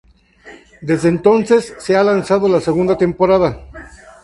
Desde entonces se ha lanzado la segunda temporada.